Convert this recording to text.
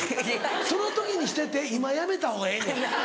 その時にしてて今やめたほうがええねん。